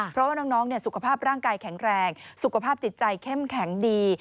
เพราะว่าน้องสุขภาพร่างกายแข็งแรงสุขภาพจิตใจเข้มแข็งดี